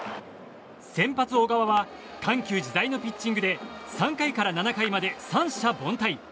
先発、小川は緩急自在のピッチングで３回から７回まで三者凡退。